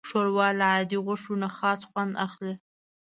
ښوروا له عادي غوښو نه خاص خوند اخلي.